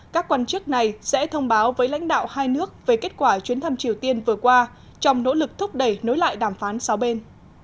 các quan chức này sẽ thông báo với lãnh đạo hai nước về kết quả chuyến thăm triều tiên vừa qua trong nỗ lực thúc đẩy nối lại đàm phán sáu bên